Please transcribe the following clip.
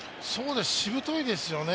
しぶといですよね。